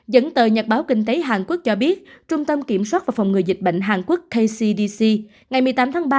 dẫn tờ nhật báo kinh tế hàn quốc cho biết trung tâm kiểm soát và phòng ngừa dịch bệnh hàn quốc kcdc ngày một mươi tám tháng ba